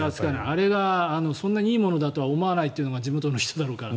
あれがあまりいいものだとは思わないっていうのが地元の人だろうから。